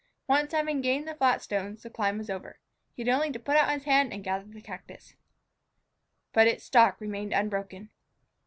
Once having gained the flat stones, the climb was over. He had only to put out his hand and gather the cactus. But its stalk remained unbroken.